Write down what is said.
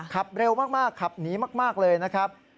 ขับเร็วมากขับหนีมากเลยนะครับ